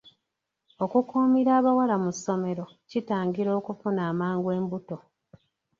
Okukuumira abawala mu ssomero kitangira okufuna amangu embuto